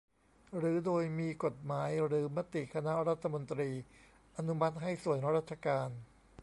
หรือโดยมีกฎหมายหรือมติคณะรัฐมนตรีอนุมัติให้ส่วนราชการ